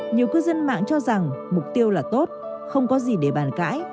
nhiều cư dân mạng cho rằng mục tiêu là tốt không có gì để bàn cãi